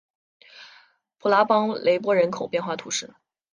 普拉邦雷波人口变化图示